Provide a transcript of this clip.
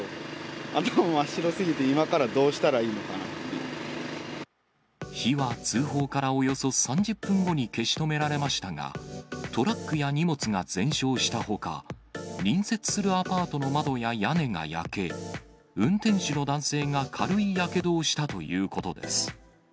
頭が真っ白すぎて、今からどうし火は通報からおよそ３０分後に消し止められましたが、トラックや荷物が全焼したほか、隣接するアパートの窓や屋根が焼け、運転手の男性が軽いやけどをしたということです。